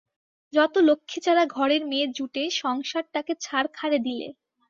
যত লক্ষ্মীছাড়া ঘরের মেয়ে জুটে সংসারটাকে ছারখারে দিলে।